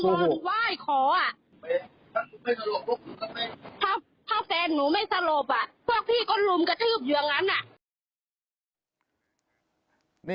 ถ้าแฟนหนูไม่สลบอ่ะพวกพี่ก็ลุมกระทืบอยู่อย่างนั้นอ่ะ